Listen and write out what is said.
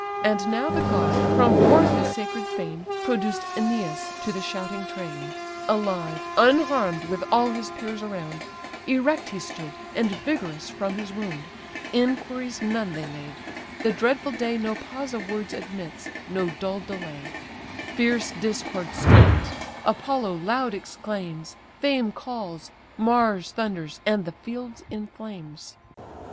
And now the god, from forth his sacred fane, Produced Æneas to the shouting train; Alive, unharm'd, with all his peers around, Erect he stood, and vigorous from his wound: Inquiries none they made; the dreadful day No pause of words admits, no dull delay; Fierce Discord storms, Apollo loud exclaims, Fame calls, Mars thunders, and the field's in flames.